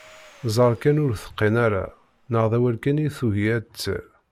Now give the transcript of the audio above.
Ẓer kan ur teqqin ara neɣ d awal kan i tugi ad d-terr.